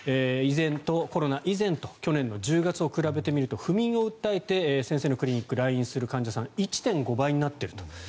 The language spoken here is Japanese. コロナ以前と去年の１０月を比べてみると不眠を訴えて先生のクリニックに来院する患者さんは１．５倍になっていると。